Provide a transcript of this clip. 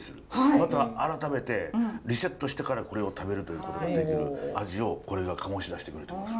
また改めてリセットしてからこれを食べるということができる味をこれが醸し出してくれてます。